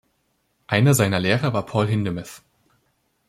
Einer seiner Lehrer war Paul Hindemith.